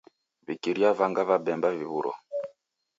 W'ikiria vanga va bemba viw'uro